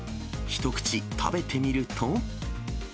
一口食べてみると。